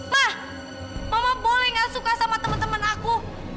ma mama boleh gak suka sama temen temen aku